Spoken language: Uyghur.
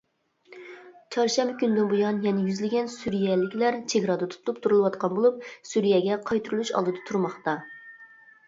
چارشەنبە كۈنىدىن بۇيان يەنە يۈزلىگەن سۈرىيەلىكلەر چېگرادا تۇتۇپ تۇرۇلۇۋاتقان بولۇپ، سۈرىيەگە قايتۇرۇلۇش ئالدىدا تۇرماقتا.